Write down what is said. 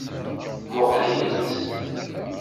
Muqqel-itt.